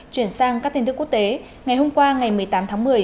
chuyển sang các tin tức quốc tế ngày hôm qua ngày một mươi tám tháng một mươi